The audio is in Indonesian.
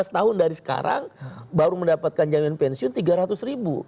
lima belas tahun dari sekarang baru mendapatkan jaminan pensiun tiga ratus ribu